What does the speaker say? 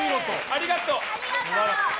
ありがとう！